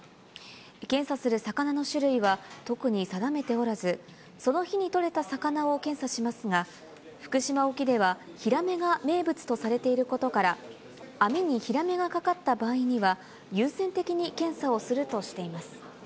検査する魚の種類は特に定めておらず、その日に取れた魚を検査しますが、福島沖では、ヒラメが名物とされていることから、網にヒラメがかかった場合には、優先的に検査をするとしています。